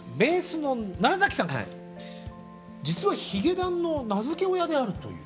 実はヒゲダンの名付け親であるという。